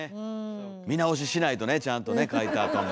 見直ししないとねちゃんとね書いたあとも。